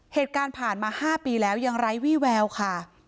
เหตุการณ์ผ่านมา๕ปีแล้วยังไร้วี่แววค่ะ